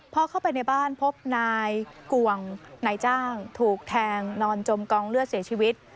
พอเข้าไปในบ้านพบนายกวงนายจ้างถูกแทงนอนจมกองเลือดเสียชีวิต